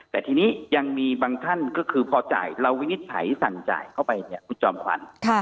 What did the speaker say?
แต่ทีนี้ยังมีบางท่านก็คือพอจ่ายเราวินิจฉัยสั่งจ่ายเข้าไปเนี่ยคุณจอมขวัญ